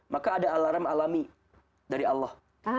maka ada alarm alami dari allah